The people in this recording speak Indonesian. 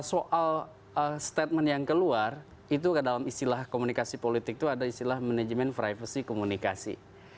soal statement yang keluar itu dalam istilah komunikasi politik itu ada istilah manajemen privacy komunikasi